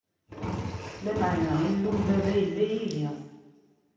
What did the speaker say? Lameɛna Illu n baba yella yid-i.